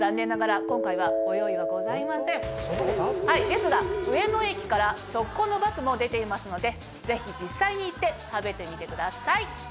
ですが上野駅から直行のバスも出ていますのでぜひ実際に行って食べてみてください。